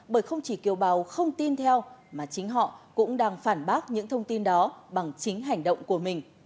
bởi không chỉ kiều bào không tin theo mà chính họ cũng đang phản bác những thông tin đó bằng chính hành động của mình